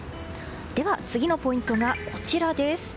では次のポイントがこちらです。